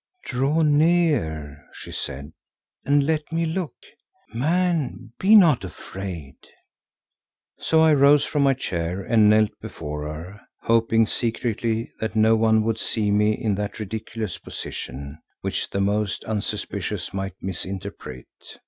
"Draw near," she said, "and let me look. Man, be not afraid." So I rose from my chair and knelt before her, hoping secretly that no one would see me in that ridiculous position, which the most unsuspicious might misinterpret.